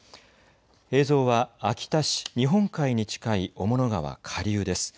映像は秋田市、日本海に近い雄物川下流です。